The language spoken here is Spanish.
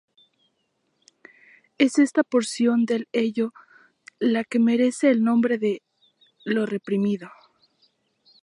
Es esta porción del ello la que merece el nombre de "lo reprimido".